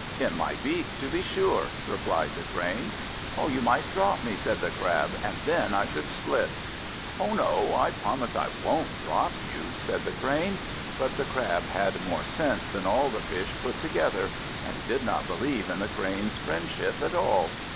"In my beak, to be sure!" replied the Crane. "You might drop me," said the Crab, "and then I should split." "Oh no, I promise I won't drop you!" said the Crane. But the Crab had more sense than all the fish put together, and he did not believe in the Crane's friendship at all.